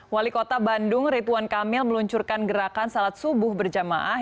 wali kota bandung ridwan kamil meluncurkan gerakan salat subuh berjamaah